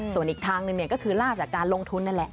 ส่วนอีกทางหนึ่งก็คือลาบจากการลงทุนนั่นแหละ